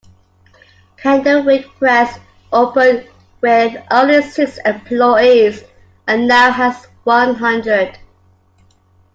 Candlewick Press opened with only six employees and now has one hundred.